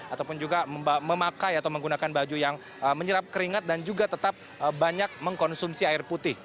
ataupun juga memakai atau menggunakan baju yang menyerap keringat dan juga tetap banyak mengkonsumsi air putih